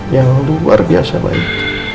yang luar biasa baik